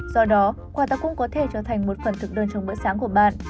do đó quả táo cũng có thể trở thành một phần thực đơn trong bữa sáng của bạn